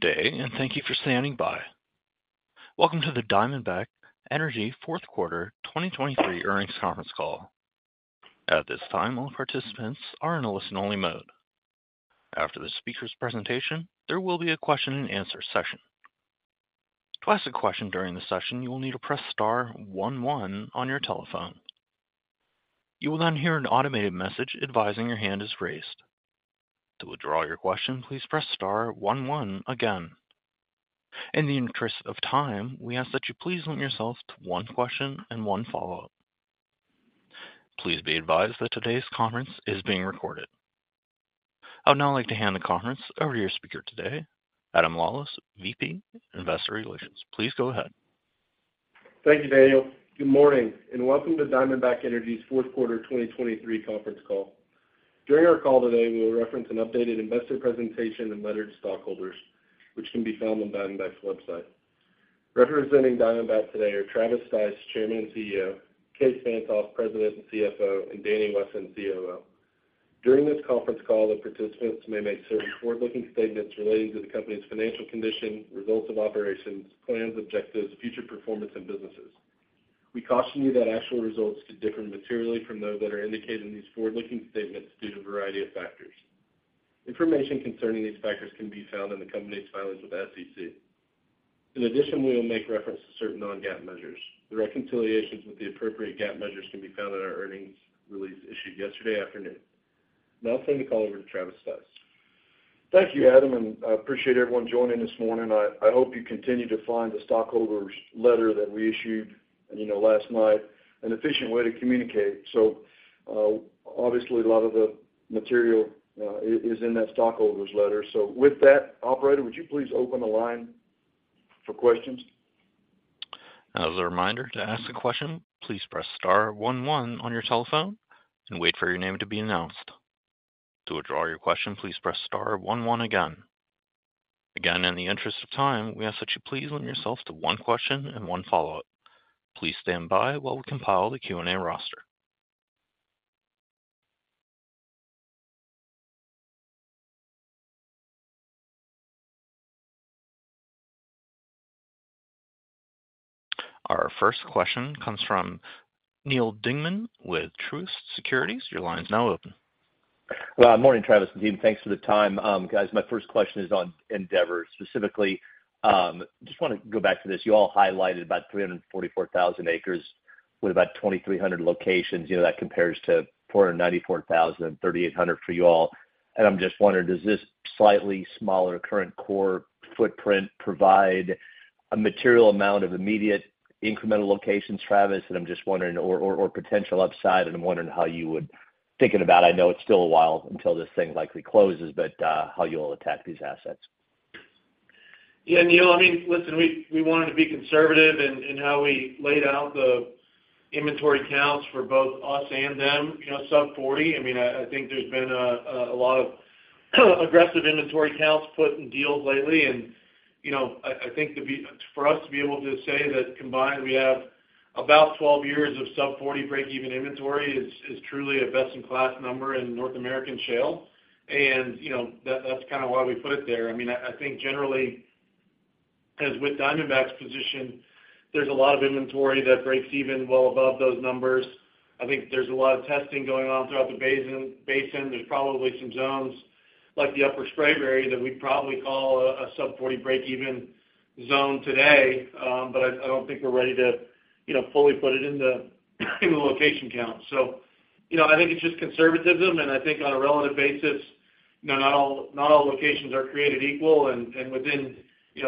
Good day, and thank you for standing by. Welcome to the Diamondback Energy fourth-quarter 2023 earnings conference call. At this time, all participants are in a listen-only mode. After the speaker's presentation, there will be a question-and-answer session. To ask a question during the session, you will need to press star 11 on your telephone. You will then hear an automated message advising your hand is raised. To withdraw your question, please press star 11 again. In the interest of time, we ask that you please limit yourself to one question and one follow-up. Please be advised that today's conference is being recorded. I would now like to hand the conference over to your speaker today, Adam Lawlis, VP Investor Relations. Please go ahead. Thank you, Daniel. Good morning, and welcome to Diamondback Energy's fourth-quarter 2023 conference call. During our call today, we will reference an updated investor presentation and letter to stockholders, which can be found on Diamondback's website. Representing Diamondback today are Travis Stice, Chairman and CEO, Kaes Van't Hof, President and CFO, and Danny Wesson, COO. During this conference call, the participants may make certain forward-looking statements relating to the company's financial condition, results of operations, plans, objectives, future performance, and businesses. We caution you that actual results could differ materially from those that are indicated in these forward-looking statements due to a variety of factors. Information concerning these factors can be found in the company's filings with the SEC. In addition, we will make reference to certain non-GAAP measures. The reconciliations with the appropriate GAAP measures can be found in our earnings release issued yesterday afternoon. Now I'll turn the call over to Travis Stice. Thank you, Adam, and I appreciate everyone joining this morning. I hope you continue to find the stockholders' letter that we issued last night an efficient way to communicate. So obviously, a lot of the material is in that stockholders' letter. So with that, operator, would you please open the line for questions? As a reminder to ask a question, please press star 11 on your telephone and wait for your name to be announced. To withdraw your question, please press star 11 again. Again, in the interest of time, we ask that you please limit yourself to one question and one follow-up. Please stand by while we compile the Q&A roster. Our first question comes from Neal Dingmann with Truist Securities. Your line's now open. Well, good morning, Travis and team. Thanks for the time. Guys, my first question is on Endeavor. Specifically, I just want to go back to this. You all highlighted about 344,000 acres with about 2,300 locations. That compares to 494,000 and 3,800 for you all. And I'm just wondering, does this slightly smaller current core footprint provide a material amount of immediate incremental locations, Travis? And I'm just wondering, or potential upside? And I'm wondering how you would thinking about I know it's still a while until this thing likely closes, but how you'll attack these assets. Yeah, Neil. I mean, listen, we wanted to be conservative in how we laid out the inventory counts for both us and them, sub-40. I mean, I think there's been a lot of aggressive inventory counts put in deals lately. And I think for us to be able to say that combined, we have about 12 years of sub-40 break-even inventory is truly a best-in-class number in North American shale. And that's kind of why we put it there. I mean, I think generally, as with Diamondback's position, there's a lot of inventory that breaks even well above those numbers. I think there's a lot of testing going on throughout the basin. There's probably some zones like the Upper Spraberry area that we'd probably call a sub-40 break-even zone today. But I don't think we're ready to fully put it in the location count. So I think it's just conservatism. And I think on a relative basis, not all locations are created equal. And within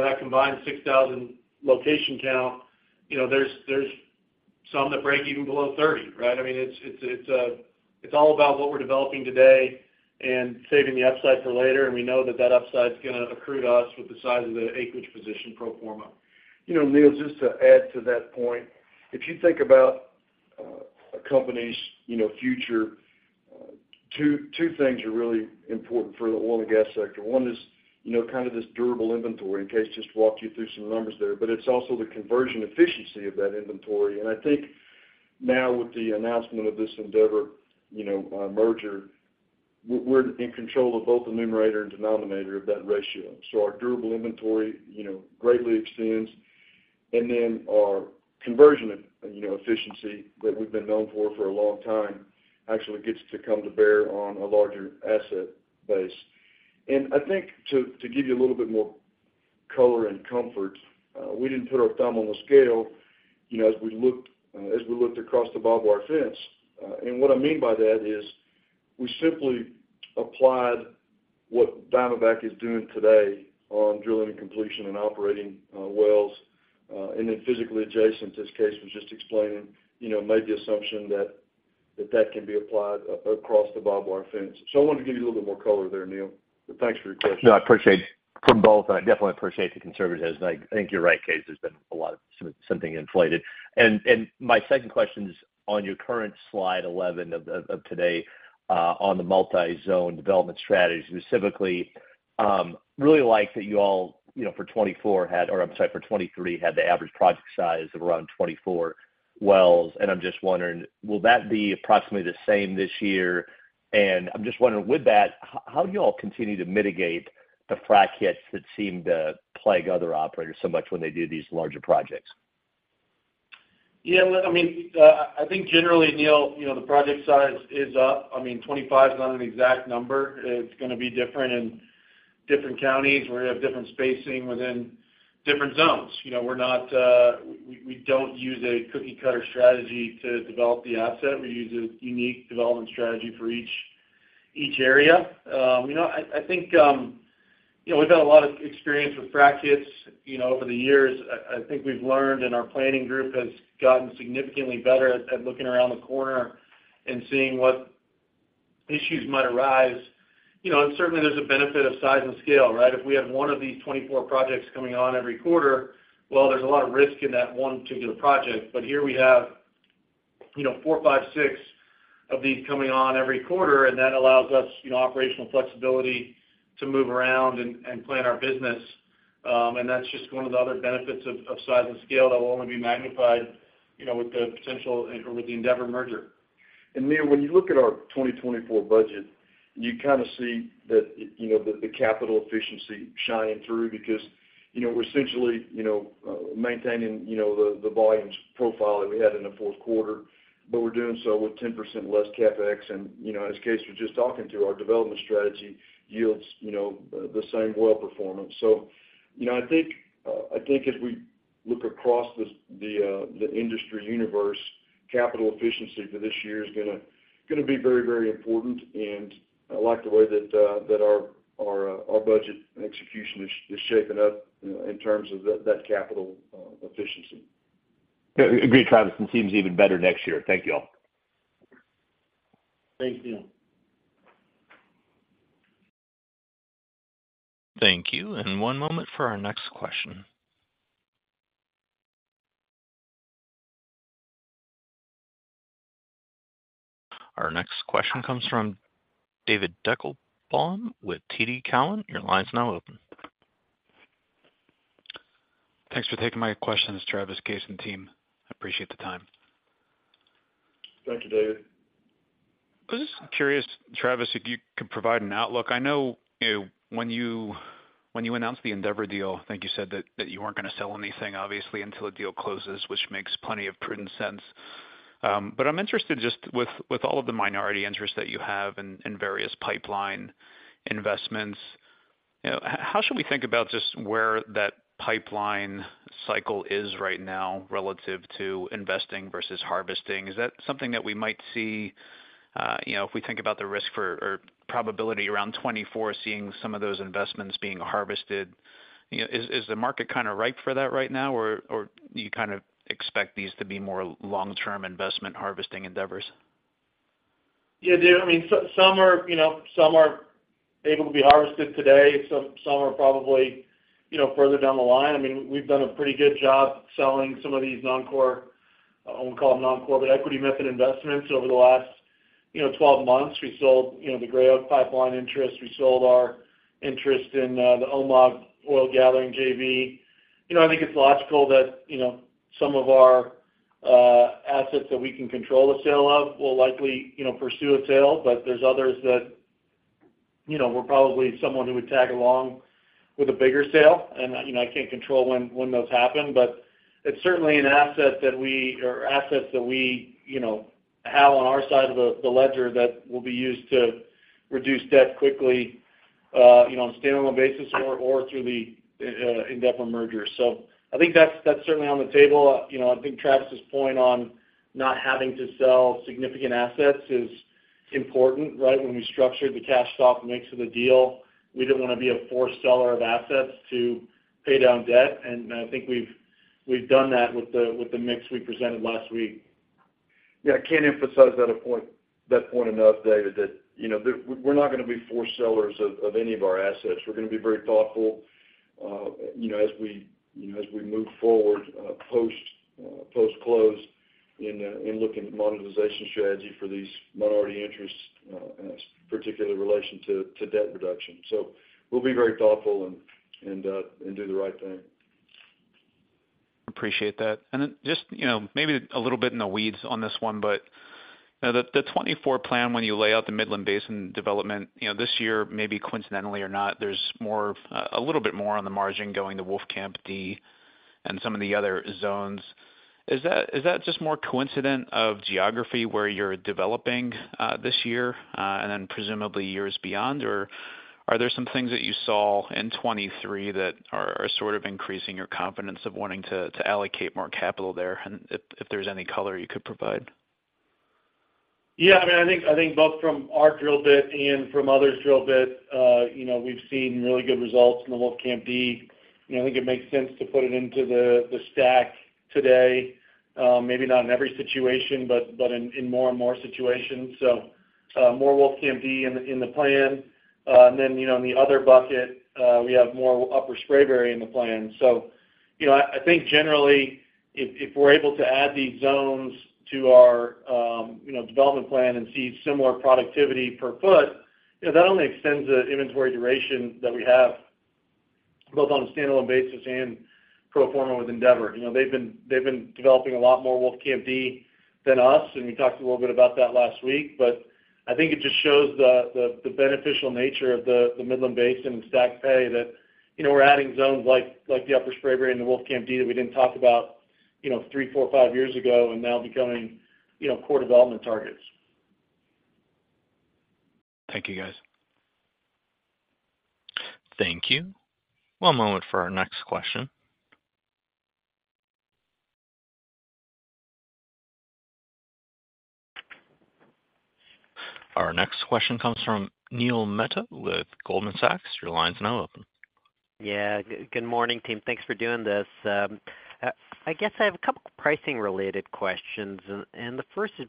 that combined 6,000 location count, there's some that break even below $30, right? I mean, it's all about what we're developing today and saving the upside for later. And we know that that upside's going to accrue to us with the size of the acreage position pro forma. Neil, just to add to that point, if you think about a company's future, two things are really important for the oil and gas sector. One is kind of this durable inventory. In our case, just walked you through some numbers there. But it's also the conversion efficiency of that inventory. And I think now with the announcement of this Endeavor merger, we're in control of both the numerator and denominator of that ratio. So our durable inventory greatly extends. And then our conversion efficiency that we've been known for for a long time actually gets to come to bear on a larger asset base. And I think to give you a little bit more color and comfort, we didn't put our thumb on the scale as we looked across the barbed wire fence. What I mean by that is we simply applied what Diamondback is doing today on drilling and completion and operating wells. Then physically adjacent, as Kaes was just explaining, made the assumption that that can be applied across the barbed wire fence. I wanted to give you a little bit more color there, Neil. Thanks for your question. No, I appreciate from both. I definitely appreciate the conservatism. I think you're right, Case. There's been a lot of something inflated. And my second question is on your current slide 11 of today on the multi-zone development strategy. Specifically, I really like that you all, for 2024, had or I'm sorry, for 2023, had the average project size of around 24 wells. And I'm just wondering, will that be approximately the same this year? And I'm just wondering, with that, how do you all continue to mitigate the frac hits that seem to plague other operators so much when they do these larger projects? Yeah. I mean, I think generally, Neil, the project size is up. I mean, 25's not an exact number. It's going to be different in different counties. We have different spacing within different zones. We don't use a cookie-cutter strategy to develop the asset. We use a unique development strategy for each area. I think we've had a lot of experience with frac hits over the years. I think we've learned, and our planning group has gotten significantly better at looking around the corner and seeing what issues might arise. And certainly, there's a benefit of size and scale, right? If we have one of these 24 projects coming on every quarter, well, there's a lot of risk in that one particular project. But here we have four, five, six of these coming on every quarter. And that allows us operational flexibility to move around and plan our business. That's just one of the other benefits of size and scale that will only be magnified with the potential or with the Endeavor merger. And Neil, when you look at our 2024 budget, you kind of see the capital efficiency shining through because we're essentially maintaining the volumes profile that we had in the Q4. But we're doing so with 10% less CapEx. And as Case was just talking to, our development strategy yields the same well performance. So I think as we look across the industry universe, capital efficiency for this year is going to be very, very important. And I like the way that our budget execution is shaping up in terms of that capital efficiency. Agreed, Travis. Seems even better next year. Thank you all. Thanks, Neil. Thank you. One moment for our next question. Our next question comes from David Deckelbaum with TD Cowen. Your line's now open. Thanks for taking my questions, Travis, Kaes and team. I appreciate the time. Thank you, David. I was just curious, Travis, if you could provide an outlook. I know when you announced the Endeavor deal, I think you said that you weren't going to sell anything, obviously, until the deal closes, which makes plenty of prudent sense. But I'm interested just with all of the minority interests that you have in various pipeline investments, how should we think about just where that pipeline cycle is right now relative to investing versus harvesting? Is that something that we might see if we think about the risk or probability around 2024 seeing some of those investments being harvested? Is the market kind of ripe for that right now, or do you kind of expect these to be more long-term investment harvesting endeavors? Yeah, David. I mean, some are able to be harvested today. Some are probably further down the line. I mean, we've done a pretty good job selling some of these non-core. I won't call them non-core, but equity method investments over the last 12 months. We sold the Gray Oak pipeline interest. We sold our interest in the Omega oil gathering JV. I think it's logical that some of our assets that we can control the sale of will likely pursue a sale. But there's others that we're probably someone who would tag along with a bigger sale. And I can't control when those happen. But it's certainly an asset that we or assets that we have on our side of the ledger that will be used to reduce debt quickly on a standalone basis or through the Endeavor merger. So I think that's certainly on the table. I think Travis's point on not having to sell significant assets is important, right? When we structured the cash stock mix of the deal, we didn't want to be a forced seller of assets to pay down debt. And I think we've done that with the mix we presented last week. Yeah. I can't emphasize that point enough, David, that we're not going to be forced sellers of any of our assets. We're going to be very thoughtful as we move forward post-close in looking at monetization strategy for these minority interests, particularly in relation to debt reduction. So we'll be very thoughtful and do the right thing. Appreciate that. And then just maybe a little bit in the weeds on this one, but the 2024 plan, when you lay out the Midland Basin development, this year, maybe coincidentally or not, there's a little bit more on the margin going to Wolfcamp D and some of the other zones. Is that just more coincidence of geography where you're developing this year and then presumably years beyond? Or are there some things that you saw in 2023 that are sort of increasing your confidence of wanting to allocate more capital there? And if there's any color you could provide. Yeah. I mean, I think both from our drill bit and from others' drill bit, we've seen really good results in the Wolfcamp D. I think it makes sense to put it into the stack today. Maybe not in every situation, but in more and more situations. So more Wolfcamp D in the plan. And then in the other bucket, we have more Upper Spraberry area in the plan. So I think generally, if we're able to add these zones to our development plan and see similar productivity per foot, that only extends the inventory duration that we have both on a standalone basis and pro forma with Endeavor. They've been developing a lot more Wolfcamp D than us. And we talked a little bit about that last week. But I think it just shows the beneficial nature of the Midland Basin and stacked pay that we're adding zones like the Upper Spraberry and the Wolf Camp D that we didn't talk about 3, 4, 5 years ago and now becoming core development targets. Thank you, guys. Thank you. One moment for our next question. Our next question comes from Neil Mehta with Goldman Sachs. Your line's now open. Yeah. Good morning, team. Thanks for doing this. I guess I have a couple of pricing-related questions. And the first is,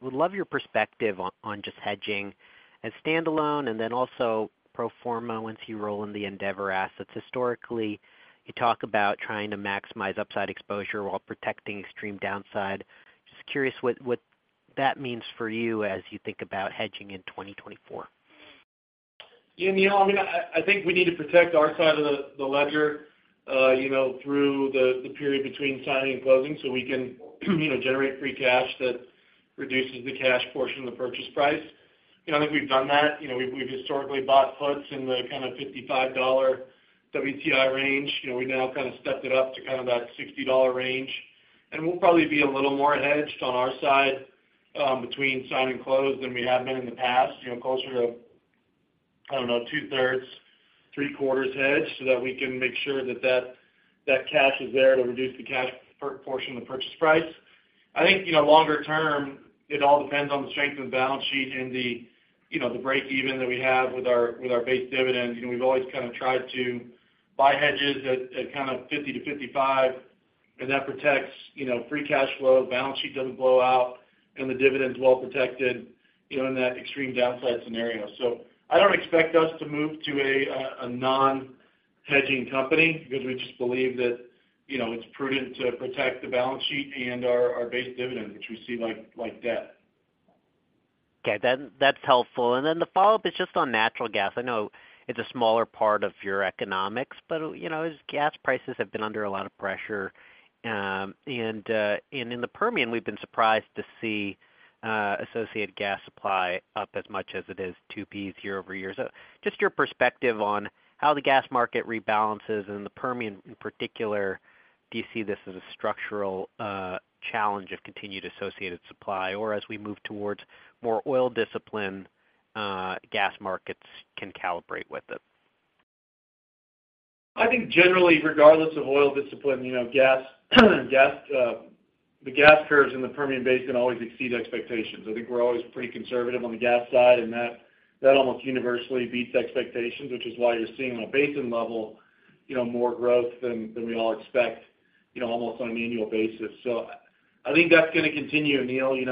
would love your perspective on just hedging as standalone and then also pro forma once you roll in the Endeavor assets. Historically, you talk about trying to maximize upside exposure while protecting extreme downside. Just curious what that means for you as you think about hedging in 2024. Yeah, Neil. I mean, I think we need to protect our side of the ledger through the period between signing and closing so we can generate free cash that reduces the cash portion of the purchase price. I think we've done that. We've historically bought puts in the kind of $55 WTI range. We've now kind of stepped it up to kind of that $60 range. We'll probably be a little more hedged on our side between signing and close than we have been in the past, closer to, I don't know, two-thirds, three-quarters hedged so that we can make sure that that cash is there to reduce the cash portion of the purchase price. I think longer term, it all depends on the strength of the balance sheet and the break-even that we have with our base dividend. We've always kind of tried to buy hedges at kind of $50-$55. That protects free cash flow. Balance sheet doesn't blow out. The dividend's well protected in that extreme downside scenario. So I don't expect us to move to a non-hedging company because we just believe that it's prudent to protect the balance sheet and our base dividend, which we see like debt. Okay. That's helpful. Then the follow-up is just on natural gas. I know it's a smaller part of your economics, but gas prices have been under a lot of pressure. And in the Permian, we've been surprised to see associated gas supply up as much as it is 20% year-over-year. Just your perspective on how the gas market rebalances and the Permian in particular, do you see this as a structural challenge of continued associated supply? Or as we move towards more oil discipline, gas markets can calibrate with it? I think generally, regardless of oil discipline, the gas curves in the Permian Basin always exceed expectations. I think we're always pretty conservative on the gas side. That almost universally beats expectations, which is why you're seeing on a basin level more growth than we all expect almost on an annual basis. I think that's going to continue, Neil. We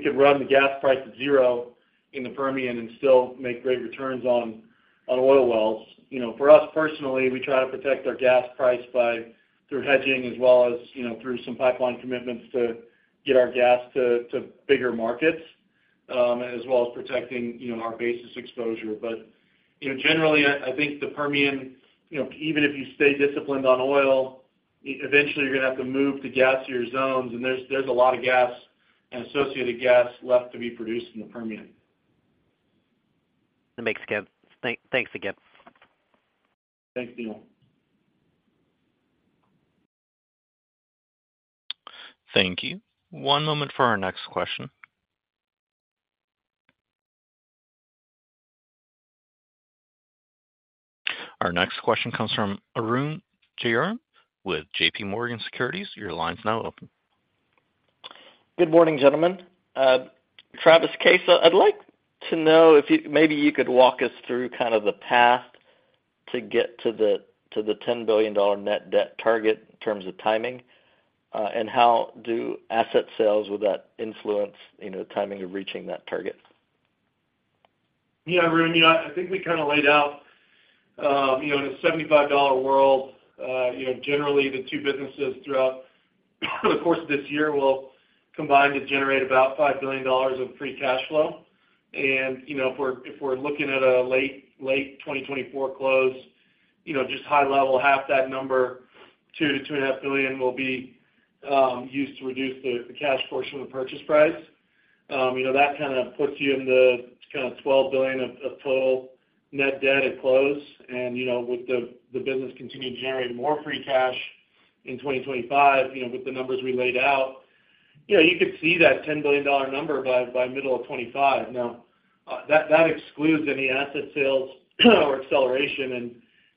could run the gas price at zero in the Permian and still make great returns on oil wells. For us personally, we try to protect our gas price through hedging as well as through some pipeline commitments to get our gas to bigger markets as well as protecting our basis exposure. But generally, I think the Permian, even if you stay disciplined on oil, eventually, you're going to have to move to gasier zones. There's a lot of gas and associated gas left to be produced in the Permian. That makes sense. Thanks again. Thanks, Neil. Thank you. One moment for our next question. Our next question comes from Arun Jayaram with JP Morgan Securities. Your line's now open. Good morning, gentlemen. Travis Stice, I'd like to know if maybe you could walk us through kind of the path to get to the $10 billion net debt target in terms of timing. And how do asset sales would that influence the timing of reaching that target? Yeah, Arun. I think we kind of laid out in a $75 world, generally, the two businesses throughout the course of this year will combine to generate about $5 billion of free cash flow. And if we're looking at a late 2024 close, just high-level, half that number, $2 billion-$2.5 billion will be used to reduce the cash portion of the purchase price. That kind of puts you in the kind of $12 billion of total net debt at close. And with the business continuing to generate more free cash in 2025 with the numbers we laid out, you could see that $10 billion number by middle of 2025. Now, that excludes any asset sales or acceleration.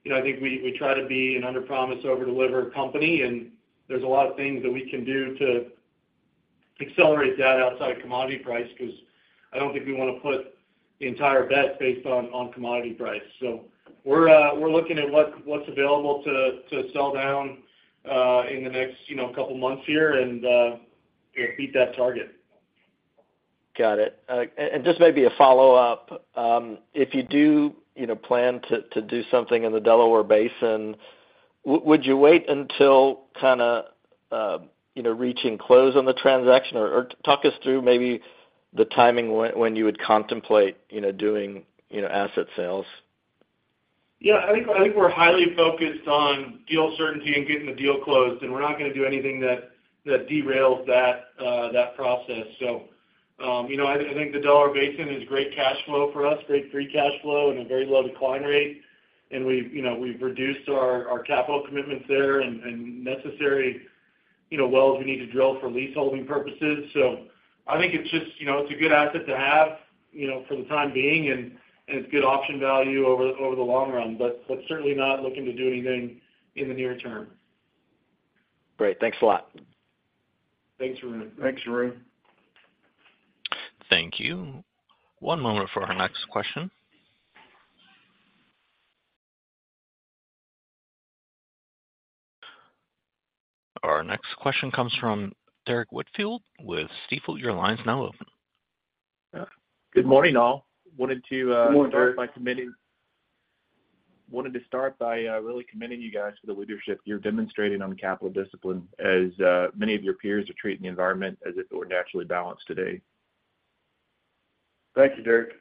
And I think we try to be an under-promise, over-deliver company. There's a lot of things that we can do to accelerate that outside of commodity price because I don't think we want to put the entire bet based on commodity price. We're looking at what's available to sell down in the next couple of months here and beat that target. Got it. Just maybe a follow-up, if you do plan to do something in the Delaware Basin, would you wait until kind of reaching close on the transaction? Or talk us through maybe the timing when you would contemplate doing asset sales? Yeah. I think we're highly focused on deal certainty and getting the deal closed. We're not going to do anything that derails that process. I think the Delaware Basin is great cash flow for us, great free cash flow, and a very low decline rate. We've reduced our capital commitments there and necessary wells we need to drill for leaseholding purposes. I think it's just it's a good asset to have for the time being. It's good option value over the long run, but certainly not looking to do anything in the near term. Great. Thanks a lot. Thanks, Arun. Thanks, Arun. Thank you. One moment for our next question. Our next question comes from Derek Whitfield with Stifel. Your line's now open. Good morning, all. Wanted to start by really commending you guys for the leadership you're demonstrating on capital discipline as many of your peers are treating the environment as if it were naturally balanced today. Thank you, Derek.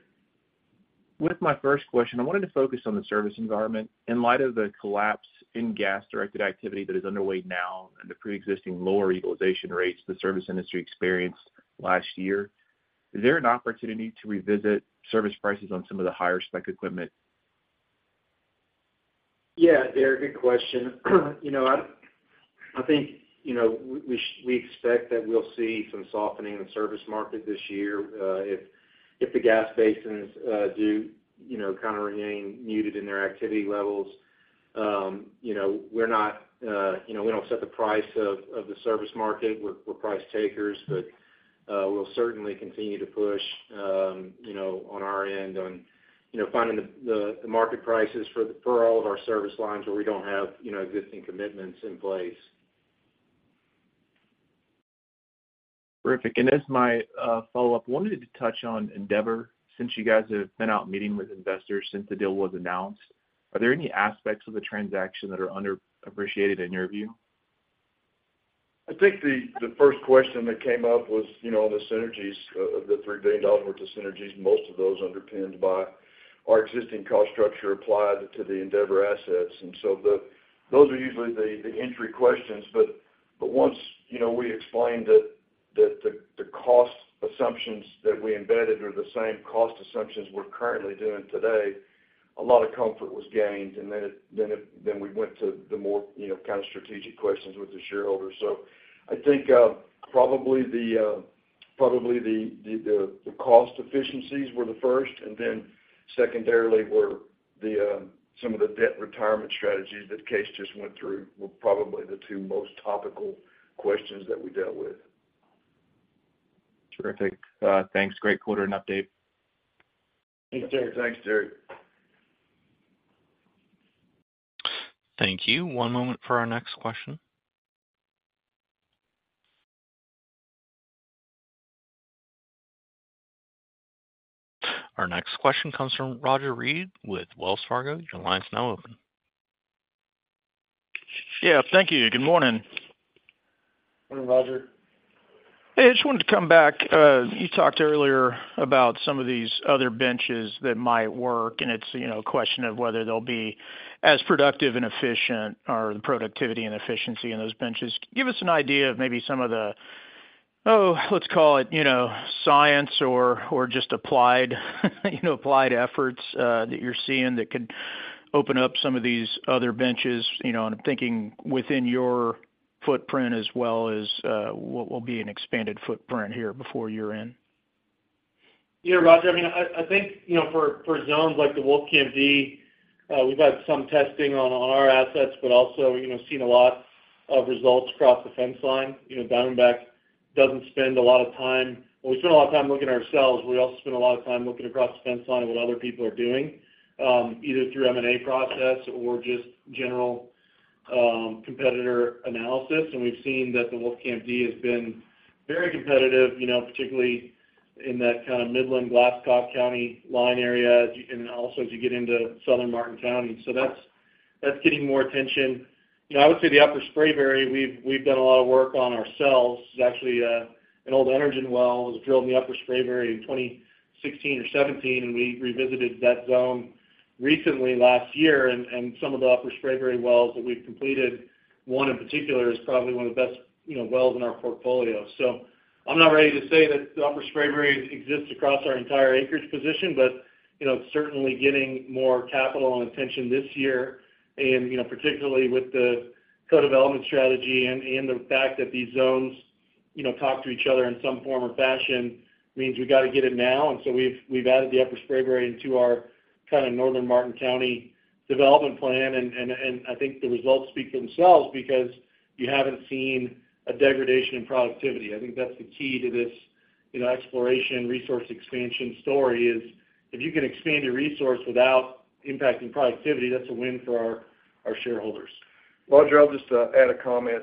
With my first question, I wanted to focus on the service environment. In light of the collapse in gas-directed activity that is underway now and the preexisting lower utilization rates the service industry experienced last year, is there an opportunity to revisit service prices on some of the higher spec equipment? Yeah, Derek. Good question. I think we expect that we'll see some softening in the service market this year if the gas basins do kind of remain muted in their activity levels. We don't set the price of the service market. We're price-takers. But we'll certainly continue to push on our end on finding the market prices for all of our service lines where we don't have existing commitments in place. Terrific. And as my follow-up, wanted to touch on Endeavor. Since you guys have been out meeting with investors since the deal was announced, are there any aspects of the transaction that are underappreciated in your view? I think the first question that came up was the synergies. The $3 billion worth of synergies, most of those underpinned by our existing cost structure applied to the Endeavor assets. And so those are usually the entry questions. But once we explained that the cost assumptions that we embedded were the same cost assumptions we're currently doing today, a lot of comfort was gained. And then we went to the more kind of strategic questions with the shareholders. So I think probably the cost efficiencies were the first. And then secondarily were some of the debt retirement strategies that Kaes just went through, were probably the two most topical questions that we dealt with. Terrific. Thanks. Great quarter and update. Thanks, Derek. Thanks, Derek. Thank you. One moment for our next question. Our next question comes from Roger Read with Wells Fargo. Your line's now open. Yeah. Thank you. Good morning. Morning, Roger. Hey. I just wanted to come back. You talked earlier about some of these other benches that might work. It's a question of whether they'll be as productive and efficient or the productivity and efficiency in those benches. Give us an idea of maybe some of the, oh, let's call it science or just applied efforts that you're seeing that could open up some of these other benches. I'm thinking within your footprint as well as what will be an expanded footprint here before year-end. Yeah, Roger. I mean, I think for zones like the Wolf Camp D, we've had some testing on our assets but also seen a lot of results across the fence line. Diamondback doesn't spend a lot of time well, we spend a lot of time looking at ourselves. We also spend a lot of time looking across the fence line at what other people are doing either through M&A process or just general competitor analysis. And we've seen that the Wolf Camp D has been very competitive, particularly in that kind of Midland, Glasscock County line area and also as you get into Southern Martin County. So that's getting more attention. I would say the Upper Spraberry, we've done a lot of work on ourselves. Actually, an old Energen well was drilled in the Upper Spraberry in 2016 or 2017. And we revisited that zone recently last year. Some of the Upper Spraberry wells that we've completed, one in particular, is probably one of the best wells in our portfolio. I'm not ready to say that the Upper Spraberry exists across our entire acreage position. But it's certainly getting more capital and attention this year. Particularly with the co-development strategy and the fact that these zones talk to each other in some form or fashion means we got to get it now. We've added the Upper Spraberry into our kind of Northern Martin County development plan. I think the results speak for themselves because you haven't seen a degradation in productivity. I think that's the key to this exploration, resource expansion story is if you can expand your resource without impacting productivity, that's a win for our shareholders. Roger, I'll just add a comment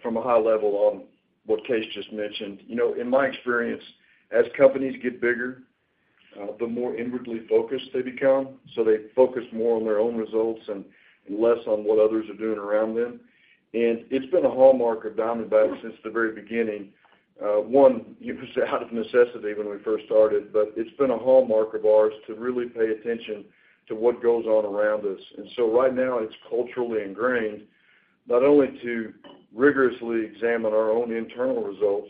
from a high level on what Case just mentioned. In my experience, as companies get bigger, the more inwardly focused they become. So they focus more on their own results and less on what others are doing around them. And it's been a hallmark of Diamondback since the very beginning. One, it was out of necessity when we first started. But it's been a hallmark of ours to really pay attention to what goes on around us. And so right now, it's culturally ingrained not only to rigorously examine our own internal results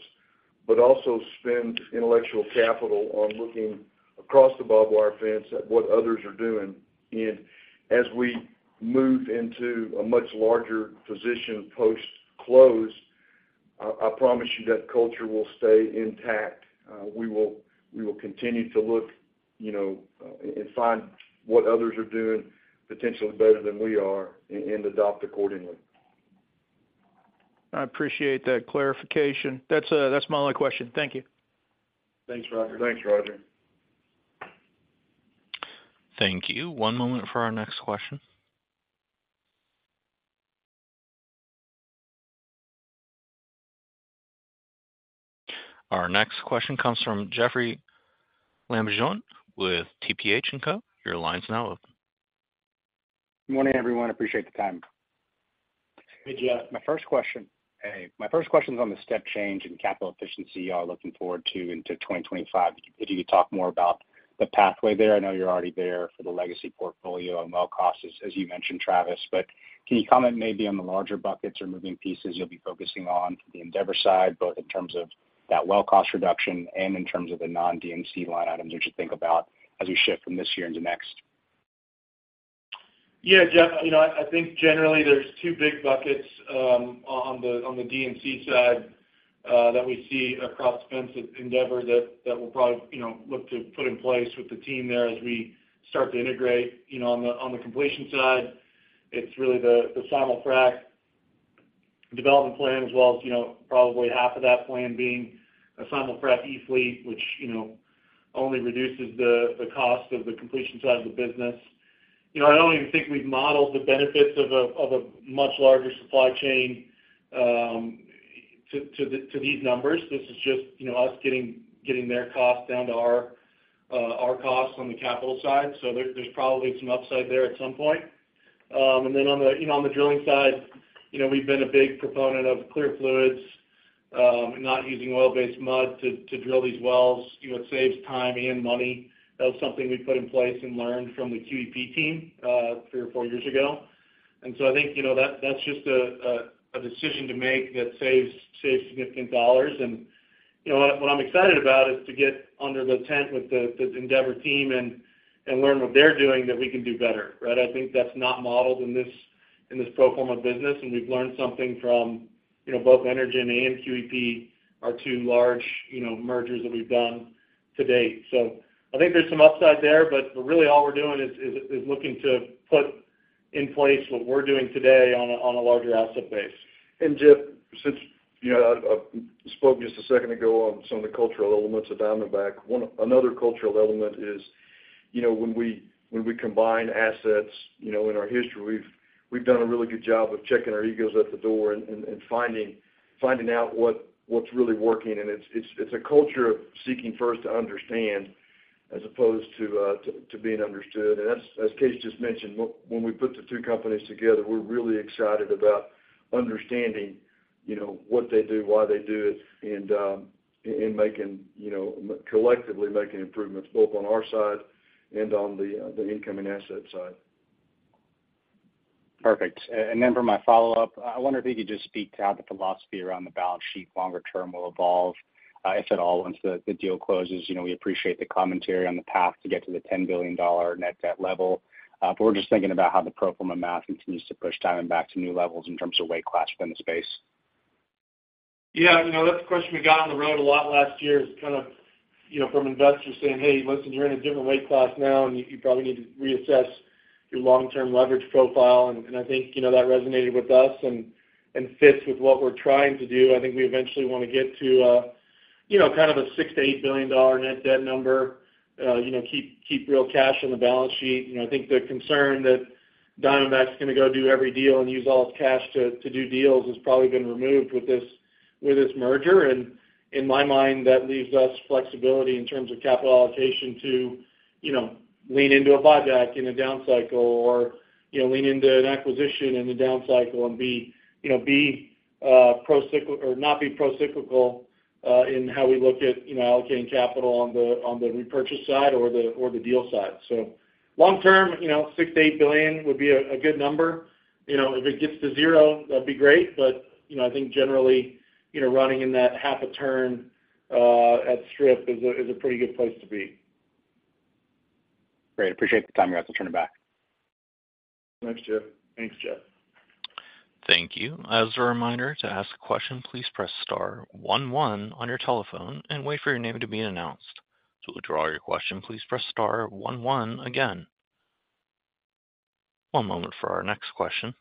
but also spend intellectual capital on looking across the barbed wire fence at what others are doing. And as we move into a much larger position post-close, I promise you that culture will stay intact. We will continue to look and find what others are doing potentially better than we are and adopt accordingly. I appreciate that clarification. That's my only question. Thank you. Thanks, Roger. Thanks, Roger. Thank you. One moment for our next question. Our next question comes from Jeff Lambujon with TPH & Co. Your line's now open. Good morning, everyone. Appreciate the time. Good, Jeff. My first question hey, my first question's on the step change in capital efficiency you all are looking forward to into 2025. If you could talk more about the pathway there. I know you're already there for the legacy portfolio and well costs, as you mentioned, Travis. But can you comment maybe on the larger buckets or moving pieces you'll be focusing on for the Endeavor side, both in terms of that well cost reduction and in terms of the non-D&C line items that you think about as we shift from this year into next? Yeah, Jeff. I think generally, there's two big buckets on the D&C side that we see across the fence at Endeavor that we'll probably look to put in place with the team there as we start to integrate. On the completion side, it's really the simu-frac development plan as well as probably half of that plan being a simul-frac E-fleet, which only reduces the cost of the completion side of the business. I don't even think we've modeled the benefits of a much larger supply chain to these numbers. This is just us getting their costs down to our costs on the capital side. So there's probably some upside there at some point. And then on the drilling side, we've been a big proponent of clear fluids, not using oil-based mud to drill these wells. It saves time and money. That was something we put in place and learned from the QEP team three or four years ago. So I think that's just a decision to make that saves significant dollars. And what I'm excited about is to get under the tent with the Endeavor team and learn what they're doing that we can do better, right? I think that's not modeled in this pro forma business. And we've learned something from both Energen and QEP, our two large mergers that we've done to date. So I think there's some upside there. But really, all we're doing is looking to put in place what we're doing today on a larger asset base. Jeff, since I spoke just a second ago on some of the cultural elements of Diamondback, another cultural element is when we combine assets in our history, we've done a really good job of checking our egos at the door and finding out what's really working. It's a culture of seeking first to understand as opposed to being understood. As Case just mentioned, when we put the two companies together, we're really excited about understanding what they do, why they do it, and collectively making improvements both on our side and on the incoming asset side. Perfect. And then for my follow-up, I wonder if you could just speak to how the philosophy around the balance sheet longer term will evolve, if at all, once the deal closes. We appreciate the commentary on the path to get to the $10 billion net debt level. But we're just thinking about how the pro forma math continues to push Diamondback to new levels in terms of weight class within the space. Yeah. That's a question we got on the road a lot last year is kind of from investors saying, "Hey, listen, you're in a different weight class now. And you probably need to reassess your long-term leverage profile." And I think that resonated with us and fits with what we're trying to do. I think we eventually want to get to kind of a $6 billion-$8 billion net debt number, keep real cash on the balance sheet. I think the concern that Diamondback's going to go do every deal and use all its cash to do deals has probably been removed with this merger. In my mind, that leaves us flexibility in terms of capital allocation to lean into a buyback in a down cycle or lean into an acquisition in a down cycle and be procyclical or not be procyclical in how we look at allocating capital on the repurchase side or the deal side. Long term, $6 billion-$8 billion would be a good number. If it gets to 0, that'd be great. But I think generally, running in that half a turn at Strip is a pretty good place to be. Great. Appreciate the time. You're welcome to turn it back. Thanks, Jeff. Thanks, Jeff. Thank you. As a reminder, to ask a question, please press star 11 on your telephone and wait for your name to be announced. To withdraw your question, please press star 11 again. One moment for our next question.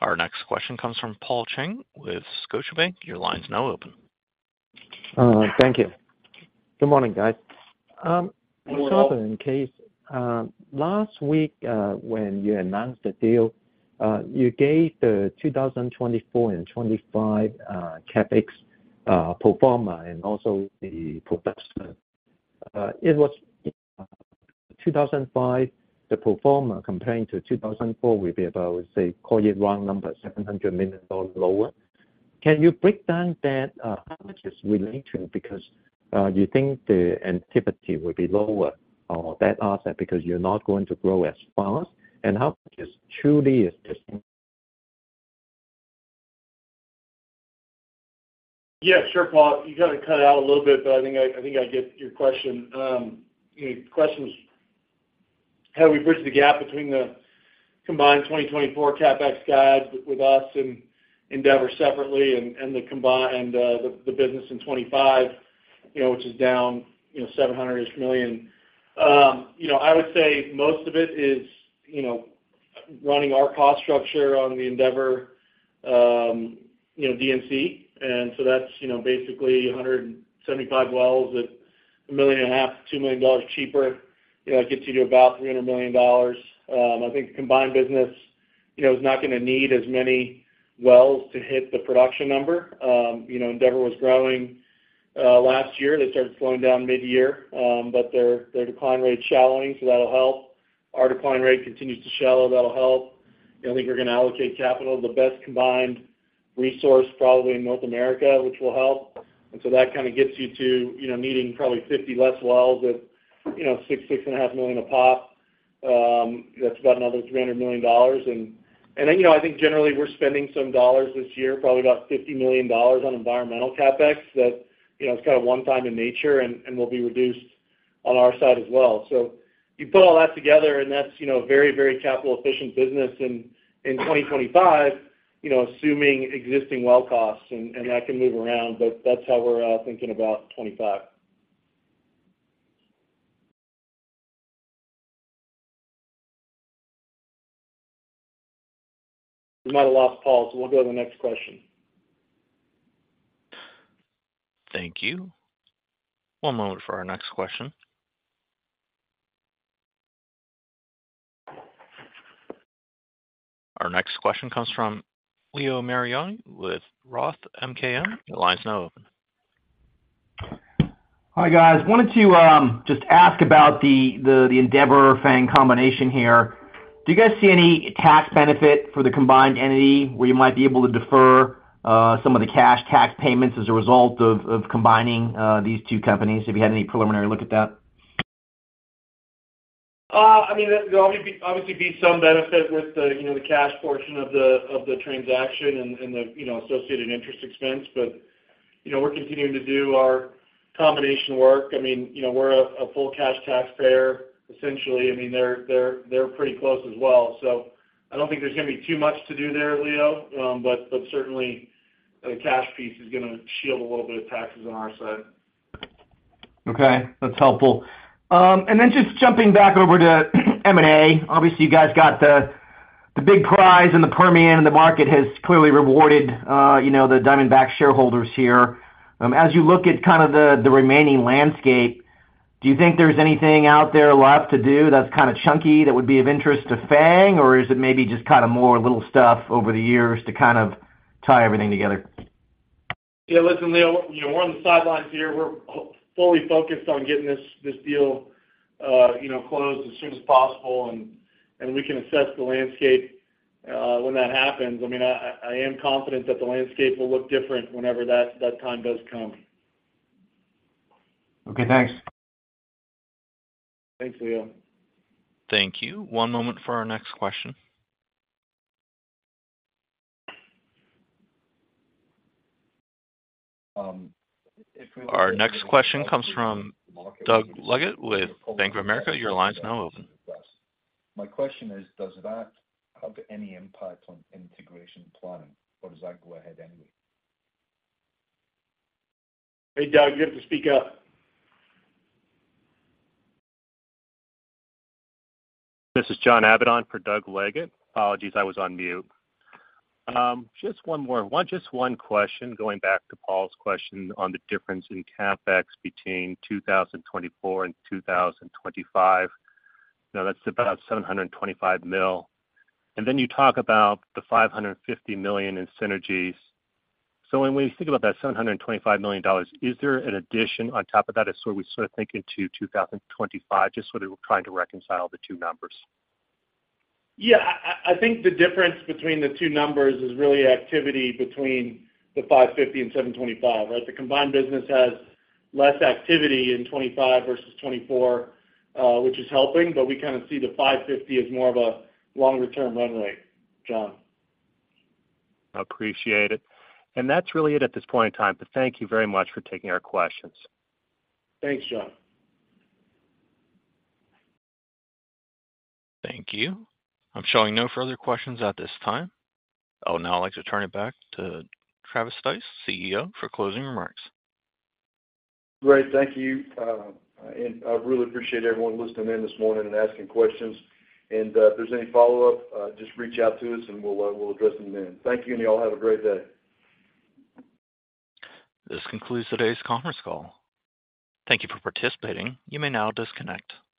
Our next question comes from Paul Cheng with Scotiabank. Your line's now open. Thank you. Good morning, guys. Morning. What's happening, Kaes? Last week when you announced the deal, you gave the 2024 and 2025 CapEx pro forma and also the production. It was 2,005. The pro forma compared to 2024 would be about, I would say, call it round number, $700 million lower. Can you break down that, how much it's related because you think the activity would be lower on that asset because you're not going to grow as fast? And how much it truly is distinct? Yeah. Sure, Paul. You got to cut out a little bit. But I think I get your question. The question is, how do we bridge the gap between the combined 2024 CapEx guide with us and Endeavor separately and the business in 2025, which is down $700 million-ish? I would say most of it is running our cost structure on the Endeavor D&C. And so that's basically 175 wells at $1.5 million, $2 million cheaper. That gets you to about $300 million. I think the combined business is not going to need as many wells to hit the production number. Endeavor was growing last year. They started slowing down mid-year. But their decline rate's shallowing. So that'll help. Our decline rate continues to shallow. That'll help. I think we're going to allocate capital, the best combined resource probably in North America, which will help. And so that kind of gets you to needing probably 50 less wells at $6-$6.5 million a pop. That's about another $300 million. And then I think generally, we're spending some dollars this year, probably about $50 million on environmental CapEx that's kind of one-time in nature and will be reduced on our side as well. So you put all that together. And that's a very, very capital-efficient business in 2025, assuming existing well costs. And that can move around. But that's how we're thinking about 2025. You might have lost Paul. So we'll go to the next question. Thank you. One moment for our next question. Our next question comes from Leo Mariani with Roth MKM. Your line's now open. Hi, guys. Wanted to just ask about the Endeavor FANG combination here. Do you guys see any tax benefit for the combined entity where you might be able to defer some of the cash tax payments as a result of combining these two companies? Have you had any preliminary look at that? I mean, there'll obviously be some benefit with the cash portion of the transaction and the associated interest expense. But we're continuing to do our combination work. I mean, we're a full cash taxpayer, essentially. I mean, they're pretty close as well. So I don't think there's going to be too much to do there, Leo. But certainly, the cash piece is going to shield a little bit of taxes on our side. Okay. That's helpful. And then just jumping back over to M&A, obviously, you guys got the big prize. And the Permian and the market has clearly rewarded the Diamondback shareholders here. As you look at kind of the remaining landscape, do you think there's anything out there left to do that's kind of chunky that would be of interest to FANG? Or is it maybe just kind of more little stuff over the years to kind of tie everything together? Yeah. Listen, Leo, we're on the sidelines here. We're fully focused on getting this deal closed as soon as possible. We can assess the landscape when that happens. I mean, I am confident that the landscape will look different whenever that time does come. Okay. Thanks. Thanks, Leo. Thank you. One moment for our next question. Our next question comes from Doug Luggate with Bank of America. Your line's now open. My question is, does that have any impact on integration planning? Or does that go ahead anyway? Hey, Doug. You have to speak up. This is John Abbott for Doug Luggate Apologies. I was on mute. Just one more. Just one question going back to Paul's question on the difference in CapEx between 2024 and 2025. Now, that's about $725 million. And then you talk about the $550 million in synergies. So when we think about that $725 million, is there an addition on top of that as we sort of think into 2025, just sort of trying to reconcile the two numbers? Yeah. I think the difference between the two numbers is really activity between the 550 and 725, right? The combined business has less activity in 2025 versus 2024, which is helping. But we kind of see the 550 as more of a longer-term run rate, John. I appreciate it. And that's really it at this point in time. But thank you very much for taking our questions. Thanks, John. Thank you. I'm showing no further questions at this time. Oh, now I'd like to turn it back to Travis Stice, CEO, for closing remarks. Great. Thank you. I really appreciate everyone listening in this morning and asking questions. If there's any follow-up, just reach out to us. We'll address them then. Thank you. You all have a great day. This concludes today's conference call. Thank you for participating. You may now disconnect.